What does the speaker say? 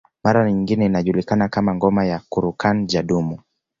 Mara nyingine inajulikana kama ngoma ya kurukan Jadumu